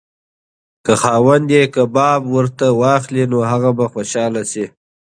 که خاوند یې کباب ورته واخلي نو هغه به خوشحاله شي.